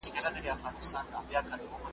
مړۍ د مور له خوا خوراک کيږي؟!